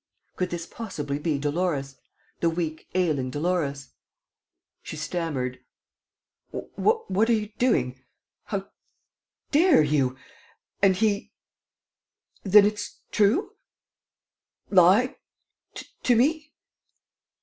Could this possibly be Dolores, the weak, ailing Dolores? She stammered: "What are you doing? ... How dare you? ... And he. ... Then it's true? ... lied to me?